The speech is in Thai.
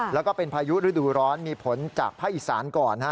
แล้วก็เป็นพายุฤดูร้อนมีผลจากผ้าอิษรรภ์ก่อน